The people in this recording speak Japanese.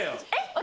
私。